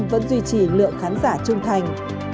vẫn duy trì lượng khán giả trung thành